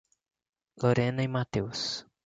Lorena e Matheus